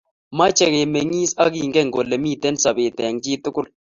meche kemengis ak kengen kole miten sobet eng chii tugul